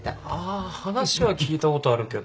あ話は聞いたことあるけど。